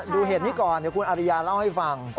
เหตุนี้ก่อนเดี๋ยวคุณอาริยาเล่าให้ฟัง